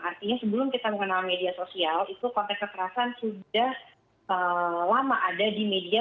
artinya sebelum kita mengenal media sosial itu konteks kekerasan sudah lama ada di media